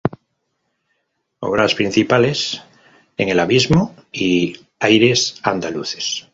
Obras principales: "En el abismo" y "Aires andaluces".